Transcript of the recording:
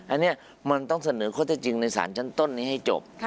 อันนี้มันต้องเสนอข้อเท็จจริงในสารชั้นต้นนี้ให้จบ